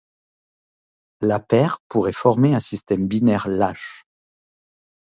La paire pourrait former un système binaire lâche.